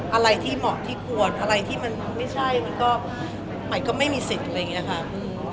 อะไรที่เหมาะที่ควรอะไรที่มันไม่ใช่มันก็ใหม่ก็ไม่มีสิทธิ์อะไรอย่างนี้ค่ะ